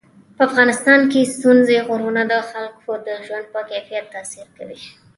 په افغانستان کې ستوني غرونه د خلکو د ژوند په کیفیت تاثیر کوي.